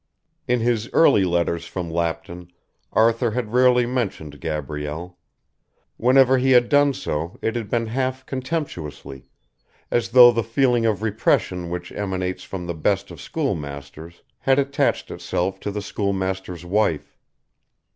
In his early letters from Lapton Arthur had rarely mentioned Gabrielle; whenever he had done so it had been half contemptuously, as though the feeling of repression which emanates from the best of schoolmasters had attached itself to the schoolmaster's wife.